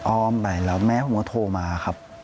อ้อมไปแล้วแม่ผมก็โทรมาครับ